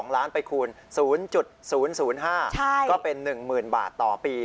๒ล้านไปคูณ๐๐๕ก็เป็น๑๐๐๐บาทต่อปี